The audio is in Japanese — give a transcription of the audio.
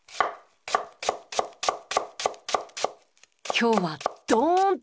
今日はドーンと！